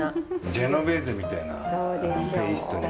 ジェノベーゼみたいなペーストに。